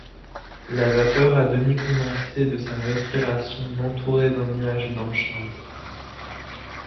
La vapeur à demi condensée de sa respiration l’entourait d’un nuage blanchâtre.